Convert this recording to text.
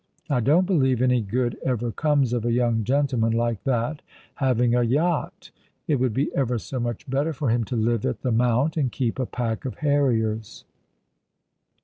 I don't believe any good ever comes of a young gentleman like that having a yacht. It would be ever so much better for him to live at the Mount and keep a pack of harriers."